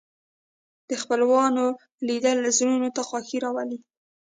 د خپلوانو لیدل زړونو ته خوښي راولي